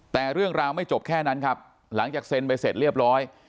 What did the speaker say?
แต่เรื่องราวไม่จบแค่นั้นครับหลังจากเซ็นไปเสร็จเรียบร้อย